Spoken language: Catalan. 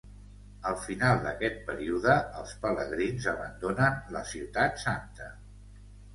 Al final d'aquest període, els pelegrins abandonen la ciutat santa.